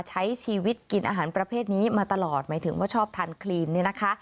ใช้ชีวิตกินอาหารประเภทนี้มาตลอดหมายถึงว่าชอบทานคลีนเนี่ยนะคะ